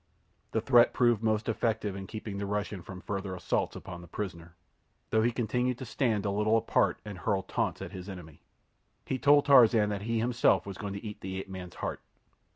The threat proved most effective in keeping the Russian from further assaults upon the prisoner, though he continued to stand a little apart and hurl taunts at his enemy. He told Tarzan that he himself was going to eat the ape man's heart.